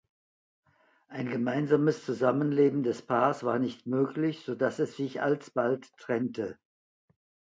Ein gemeinsames Zusammenleben des Paars war nicht möglich, so dass es sich alsbald trennte.